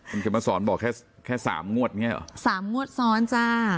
มันคือมาสอนบอกแค่แค่สามงวดไงหรอสามงวดซ้อนจ้า